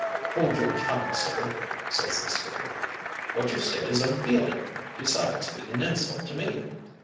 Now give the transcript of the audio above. "'Hold your tongue, sir,' ses the skipper; 'what you say is unfeeling, besides being an insult to me.